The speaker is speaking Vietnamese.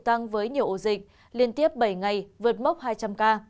tăng với nhiều ổ dịch liên tiếp bảy ngày vượt mốc hai trăm linh ca